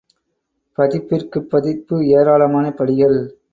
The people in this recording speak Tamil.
பதிப்பிற்குப் பதிப்பு ஏராளமான படிகள்.